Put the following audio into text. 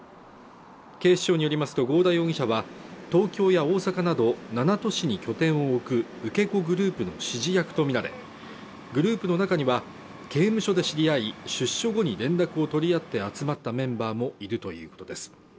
警視庁によりますと合田容疑者は東京や大阪など７都市に拠点を置く受け子グループの指示役とみられグループの中には刑務所で知り合い出所後に連絡を取り合って集まったメンバーもいるということです